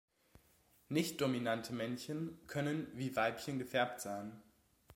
Nicht-dominante Männchen können wie Weibchen gefärbt sein.